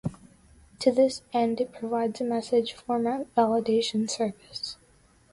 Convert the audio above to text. To this end it provides a message format validation service.